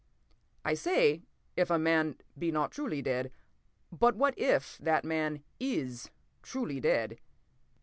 p> "I say 'if a man be not truly dead.' But what if that man is truly dead?